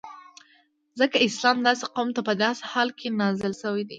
ځکه اسلام داسی قوم ته په داسی حال کی نازل سوی